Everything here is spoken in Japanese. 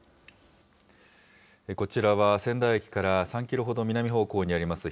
こちらは、仙台駅から３キロほど南方向にあります